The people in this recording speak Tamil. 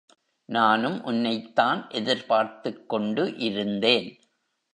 நானும் உன்னைத்தான் எதிர் பார்த்துக்கொண்டு இருந்தேன்.